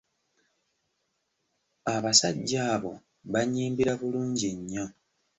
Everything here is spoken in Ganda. Abasajja abo bannyimbira bulungi nnyo.